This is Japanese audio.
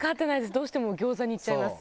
どうしても餃子にいっちゃいます。